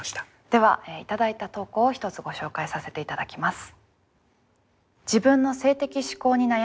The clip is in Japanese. では頂いた投稿を１つご紹介させて頂きます。